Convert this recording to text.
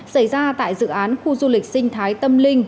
xảy ra tại dự án khu du lịch sinh thái tâm linh